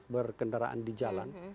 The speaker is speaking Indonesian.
berkendaraan di jalan